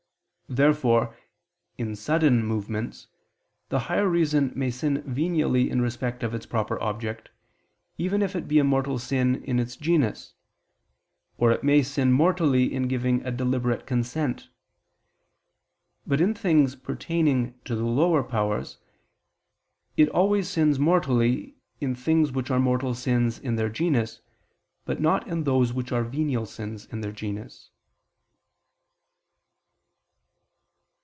Therefore, in sudden movements, the higher reason may sin venially in respect of its proper object, even if it be a mortal sin in its genus; or it may sin mortally in giving a deliberate consent; but in things pertaining to the lower powers, it always sins mortally, in things which are mortal sins in their genus, but not in those which are venial sins in their genus.